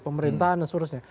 pemerintahan dan sebagainya